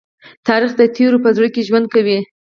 تاریخ د تېرو په زړه کې ژوند کوي.